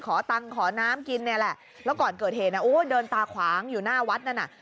ขอตังค์ขอน้ำกินเนี่ยแหละแล้วก่อนเกิดเหตุโอ้ยเดินตาขวางอยู่หน้าวัดนั่นน่ะ